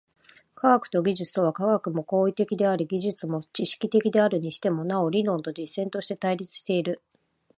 科学と技術とは、科学も行為的であり技術も知識的であるにしても、なお理論と実践として対立している。